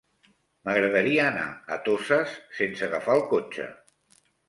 M'agradaria anar a Toses sense agafar el cotxe.